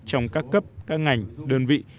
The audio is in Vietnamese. trong các cấp các ngành đơn vị